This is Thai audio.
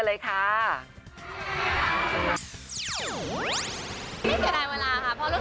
ไม่เสียใจเวลาค่ะเพราะรู้สึกมันมั้ยก็มีทั้งความทรงจำดีก็มีด้วย